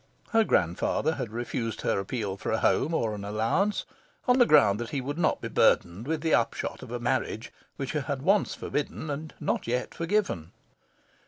Her grandfather had refused her appeal for a home or an allowance, on the ground that he would not be burdened with the upshot of a marriage which he had once forbidden and not yet forgiven.